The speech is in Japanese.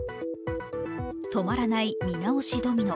止まらない見直しドミノ